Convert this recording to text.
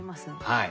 はい。